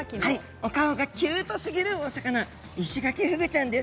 お顔がキュートすぎるお魚イシガキフグちゃんです。